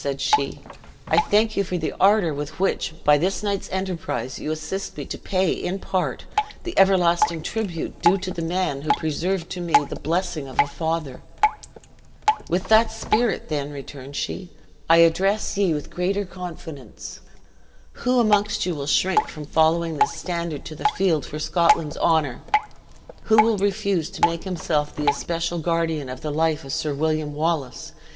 said she, "I thank you for the ardor with which, by this night's enterprise, you assist me to pay, in part, the everlasting tribute due to the man who preserved to me the blessing of a father. "With that spirit, then," returned she, "I address ye with greater confidence. Who amongst you will shrink from following this standard to the field for Scotland's honor? Who will refuse to make himself the especial guardian of the life of Sir William Wallace?